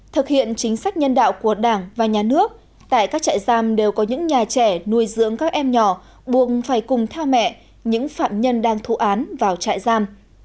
thực hiện chính sách nhân đạo của đảng và nhà nước tại các trại giam đều có những nhà trẻ nuôi dưỡng các em nhỏ buồn phải cùng theo mẹ những phạm nhân đang thụ án vào trại giam